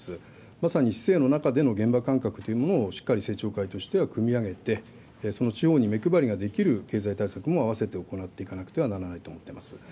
まさに市井の中での現場感覚というものをしっかり政調会長としてはくみ上げて、その地方にしっかり目配りができる経済対策もあわせて行っていかなくてはならないと思っております。